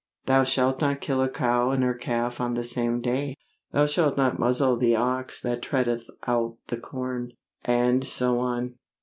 'Thou shalt not kill a cow and her calf on the same day'; 'Thou shalt not muzzle the ox that treadeth out the corn'; and so on.